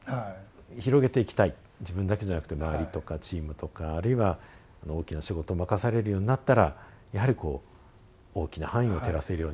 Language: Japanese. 自分だけじゃなくて周りとかチームとかあるいは大きな仕事を任されるようになったらやはりこう大きな範囲を照らせるようにしたい。